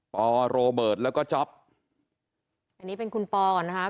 ปโรเบิร์ตแล้วก็จ๊อปอันนี้เป็นคุณปอก่อนนะคะ